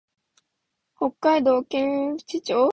北海道剣淵町